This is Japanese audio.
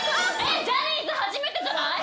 ジャニーズ初めてじゃない？